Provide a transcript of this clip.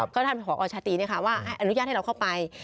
ก็ท่านผออชตินี่ค่ะว่าอนุญาตให้เราเข้าไป